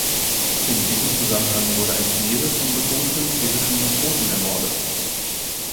In diesem Zusammenhang wurde ein Chinese von betrunkenen britischen Matrosen ermordet.